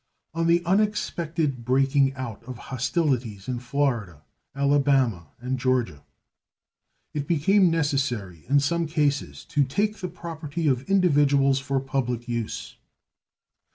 On the unexpected breaking out of hostilities in Florida, Alabama, and Georgia it became necessary in some cases to take the property of individuals for public use.